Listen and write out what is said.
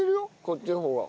こっちの方が。